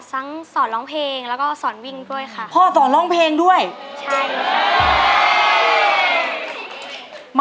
สอนร้องเพลงแล้วก็สอนวิ่งด้วยค่ะ